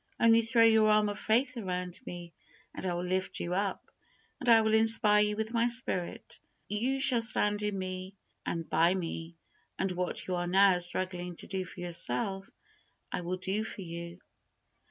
Only throw your arm of faith around me, and I will lift you up; and I will inspire you with my Spirit; you shall stand in Me and by Me; and what you are now struggling to do for yourself, I will do for you."